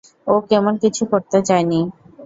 ও তেমন কিছু করতে চায়নি।